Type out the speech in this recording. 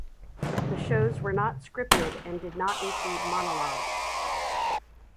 The shows were not scripted and did not include monologues.